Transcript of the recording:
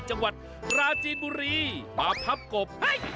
จังหวัดราชีนบุรีมาพับกบเฮ้ย